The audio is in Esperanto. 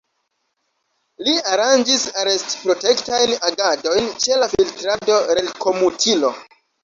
Li aranĝis arest-protektajn agadojn ĉe la Filtrado-Relkomutilo.